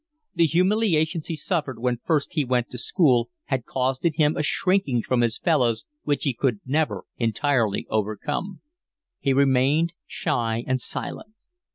The humiliations he suffered when first he went to school had caused in him a shrinking from his fellows which he could never entirely overcome; he remained shy and silent.